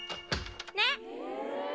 ねっ。